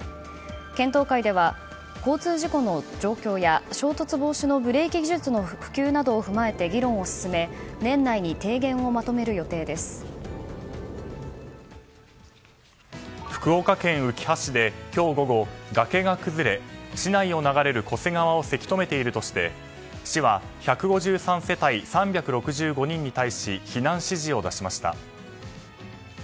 検討会では交通事故の状況や衝突防止のブレーキ技術の普及などを踏まえて議論を進め福岡県うきは市で今日午後崖が崩れ市内を流れる巨瀬川をせき止めているとして市は１５３世帯３６５人に対し避難指示を出しました。